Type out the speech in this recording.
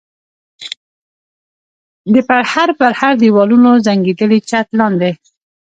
د پرهر پرهر دېوالونو زنګېدلي چت لاندې.